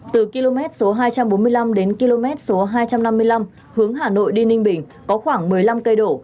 từ km số hai trăm bốn mươi năm đến km số hai trăm năm mươi năm hướng hà nội đi ninh bình có khoảng một mươi năm cây đổ